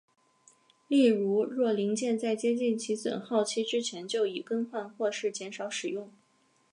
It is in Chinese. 例如若零件在接近其损耗期之前就已更换或是减少使用。